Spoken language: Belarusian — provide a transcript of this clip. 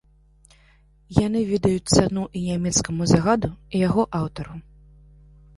Яны ведаюць цану і нямецкаму загаду, і яго аўтару.